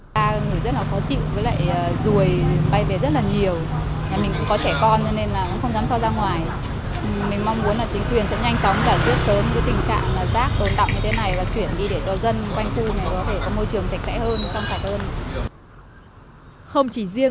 không chỉ riêng tuyến đường khuất duy tiến khoảng ba ngày gần đây